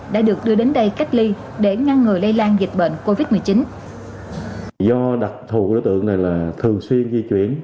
đã được đưa đến đây cách ly